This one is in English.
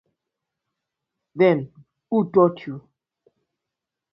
Then, who taught you?